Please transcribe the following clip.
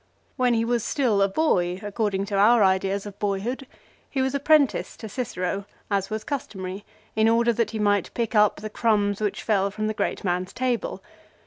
When he was still a boy, according to our ideas of boyhood, he was apprenticed to Cicero, 3 as was customary, in order that he might pick up the crumbs which fell from the great man's table.